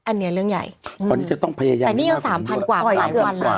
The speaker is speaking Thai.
อันนี้เรื่องใหญ่ตอนนี้จะต้องพยายามแต่นี่ก็สามพันกว่าหลายวันแล้ว